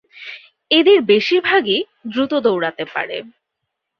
এদের বেশিরভাগই দ্রুত দৌড়াতে পারে।